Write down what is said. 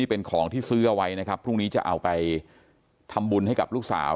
เป็นของที่ซื้อเอาไว้นะครับพรุ่งนี้จะเอาไปทำบุญให้กับลูกสาว